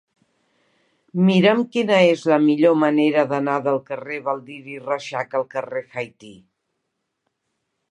Mira'm quina és la millor manera d'anar del carrer de Baldiri Reixac al carrer d'Haití.